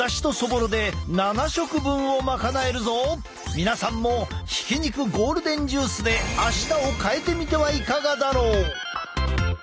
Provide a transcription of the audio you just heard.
皆さんもひき肉ゴールデンジュースで明日を変えてみてはいかがだろう！